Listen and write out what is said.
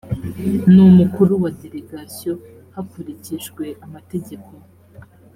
n umukuru wa delegation hakurikijwe amategeko